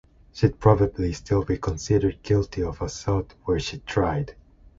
She’d probably still be considered guilty of assault were she tried.